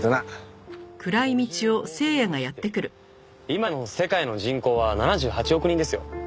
今の世界の人口は７８億人ですよ。